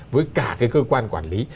với cả cái cơ quan quản lý